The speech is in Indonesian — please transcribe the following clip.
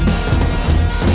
masih lu nunggu